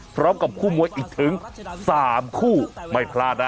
พร้อมกับคู่มวยอีกถึง๓คู่ไม่พลาดนะ